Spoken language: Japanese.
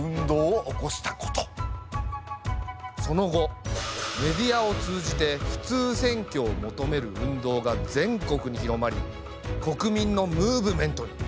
その後メディアを通じて「普通選挙」を求める運動が全国に広まり国民のムーブメントに。